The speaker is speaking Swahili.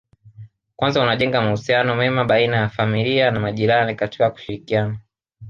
Kwanza unajenga mahusiano mema baina ya familia na majirani katika kushirikiana